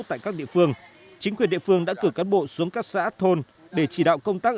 tại các địa phương chính quyền địa phương đã cử cán bộ xuống các xã thôn để chỉ đạo công tác